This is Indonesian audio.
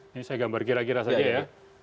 ini saya gambar kira kira saja ya